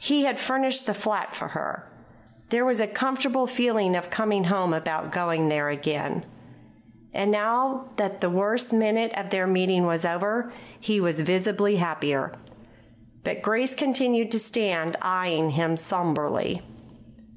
He had furnished the flat for her. There was a comfortable feeling of coming home about going there again. And, now that the worst minute of their meeting was over, he was visibly happier. But Grace continued to stand eyeing him somberly.